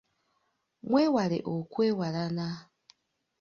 Mwewale okwewalana.